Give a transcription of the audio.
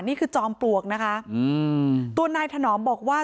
นี่คือจอมปลวกนะคะตัวนายถนอมบอกว่า